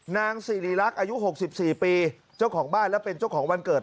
นางสิริรักษ์อายุ๖๔ปีเจ้าของบ้านและเป็นเจ้าของวันเกิด